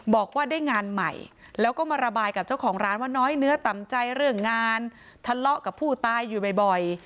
บอกว่าได้งานใหม่แล้วก็มาระบายกับเจ้าของร้านว่าน้อยเนื้อต่ำใจเรื่องงานทะเลาะกับผู้ตายอยู่บ่อย